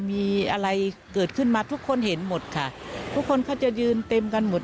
มีอะไรเกิดขึ้นมาทุกคนเห็นหมดค่ะทุกคนเขาจะยืนเต็มกันหมด